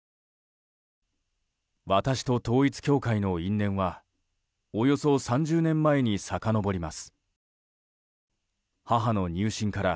私と統一教会の因縁はおよそ３０年前にさかのぼります。